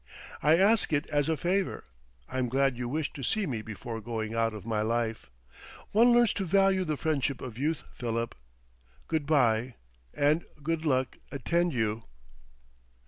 I ask it as a favor.... I'm glad you wished to see me before going out of my life. One learns to value the friendship of Youth, Philip. Good by, and good luck attend you."